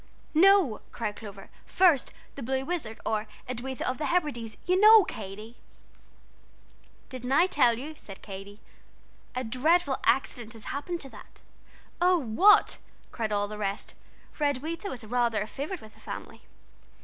"No," cried Clover; "first 'The Blue Wizard, or Edwitha of the Hebrides,' you know, Katy." "Didn't I tell you?" said Katy; "a dreadful accident has happened to that." "Oh, what?" cried all the rest, for Edwitha was rather a favorite with the family.